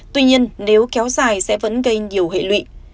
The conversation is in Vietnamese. tuy nhiên nếu kéo dài sẽ vẫn gây nhiều hệ lụy